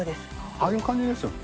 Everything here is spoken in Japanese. ああいう感じですよね。